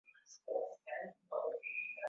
kutoka kona moja ya Uingereza kwenda nyingine